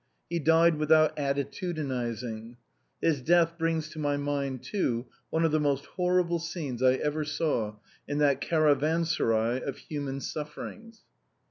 He died without attitudinizing. His death brings to my mind, too, one of the most horrible scenes I ever saw in that cara vanserai of human sufferings.